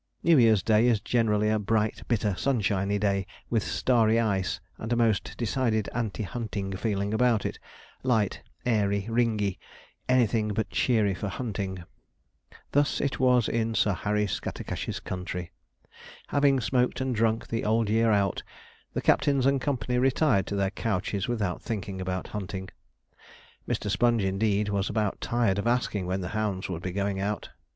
New Year's Day is generally a bright, bitter, sunshiny day, with starry ice, and a most decided anti hunting feeling about it light, airy, ringy, anything but cheery for hunting. Thus it was in Sir Harry Scattercash's county. Having smoked and drunk the old year out, the captains and company retired to their couches without thinking about hunting. Mr. Sponge, indeed, was about tired of asking when the hounds would be going out.